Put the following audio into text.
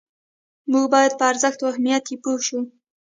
موږ باید په ارزښت او اهمیت یې پوه شو.